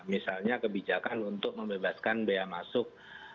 misalnya kebijakan untuk membebaskan bea masuk